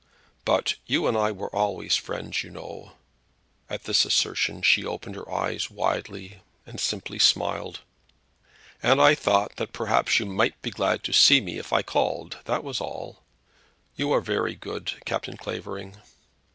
But you and I were always friends you know," at this assertion she opened her large eyes widely, and simply smiled; "and I thought that perhaps you might be glad to see me if I called. That was all." "You are very good, Captain Clavering."